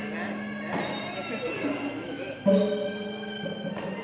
สวัสดีครับทุกคน